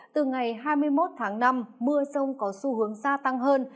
từ ngày hai mươi một tháng năm mưa rông có xu hướng gia tăng hơn